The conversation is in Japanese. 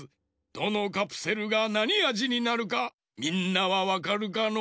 どのカプセルがなにあじになるかみんなはわかるかの？